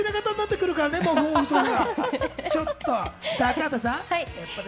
ちょっと高畑さん。